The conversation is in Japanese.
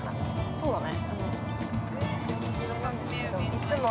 ◆そうだね。